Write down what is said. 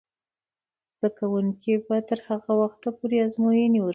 زده کوونکې به تر هغه وخته پورې ازموینې ورکوي.